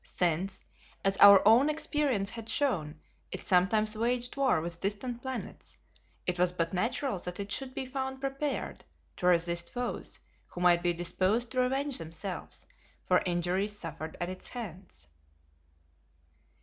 Since, as our own experience had shown, it sometimes waged war with distant planets, it was but natural that it should be found prepared to resist foes who might be disposed to revenge themselves for injuries suffered at its hands.